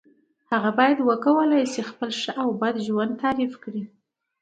هغه باید وکولای شي خپله ښه او بد ژوند تعریف کړی.